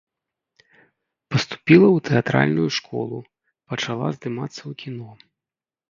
Паступіла ў тэатральную школу, пачала здымацца ў кіно.